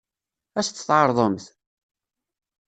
Ad as-tt-tɛeṛḍemt?